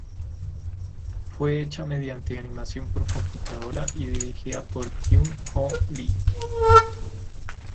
Fue hecha mediante animación por computadora y dirigida por Kyung Ho Lee.